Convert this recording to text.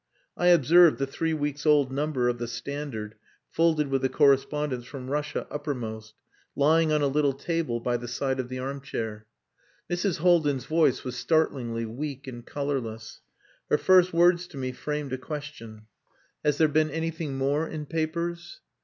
I observed the three weeks' old number of the Standard folded with the correspondence from Russia uppermost, lying on a little table by the side of the armchair. Mrs. Haldin's voice was startlingly weak and colourless. Her first words to me framed a question. "Has there been anything more in papers?"